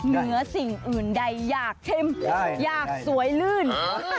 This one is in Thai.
เหนือสิ่งอื่นใดอยากเข้มอยากสวยลื่น